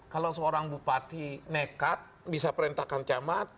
kalau seorang bupati nekat bisa perintahkan camat